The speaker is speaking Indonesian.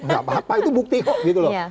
gak apa apa itu bukti kok gitu loh